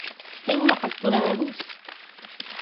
É unha factura da luz.